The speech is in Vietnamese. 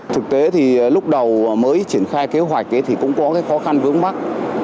thực tế thì lúc đầu mới triển khai kế hoạch thì cũng có cái khó khăn vướng mắt